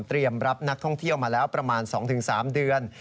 รับนักท่องเที่ยวมาแล้วประมาณ๒๓เดือน